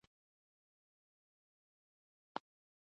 چل ول مه کوئ.